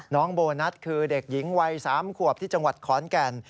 โบนัสคือเด็กหญิงวัย๓ขวบที่จังหวัดขอนแก่น